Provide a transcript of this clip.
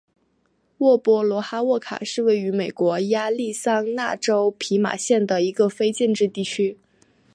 沃波罗哈沃卡是位于美国亚利桑那州皮马县的一个非建制地区。